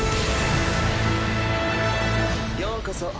ようこそ。